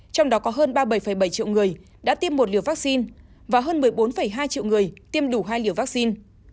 trong đó có hơn ba mươi bảy bảy triệu người đã tiêm một liều vaccine và hơn một mươi bốn hai triệu người tiêm đủ hai liều vaccine